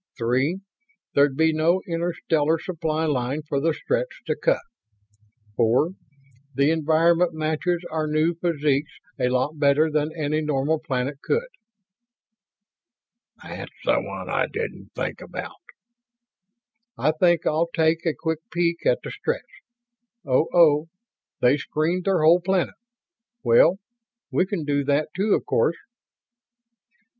Three, there'd be no interstellar supply line for the Stretts to cut. Four, the environment matches our new physiques a lot better than any normal planet could." "That's the one I didn't think about." "I think I'll take a quick peek at the Stretts oh oh; they've screened their whole planet. Well, we can do that, too, of course."